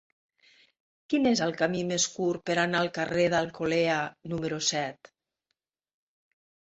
Quin és el camí més curt per anar al carrer d'Alcolea número set?